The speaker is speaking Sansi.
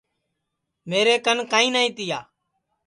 میرے کن کائیں نائی تیا